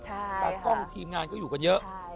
ตากล้องทีมงานก็อยู่กันเยอะ